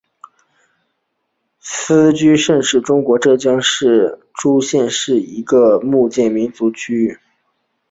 斯盛居是中国浙江省诸暨市一座木结构民居建筑。